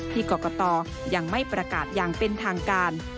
กรกตยังไม่ประกาศอย่างเป็นทางการ